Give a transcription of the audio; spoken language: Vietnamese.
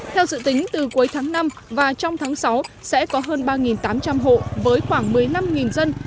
theo dự tính từ cuối tháng năm và trong tháng sáu sẽ có hơn ba tám trăm linh hộ với khoảng một mươi năm dân